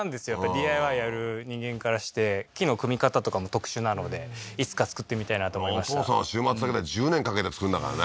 ＤＩＹやる人間からして木の組み方とかも特殊なのでいつか造ってみたいなと思いましたお父さんは週末だけで１０年かけて造るんだからね